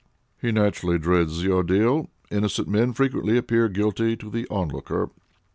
"He naturally dreads the ordeal; innocent men frequently appear guilty to the onlooker.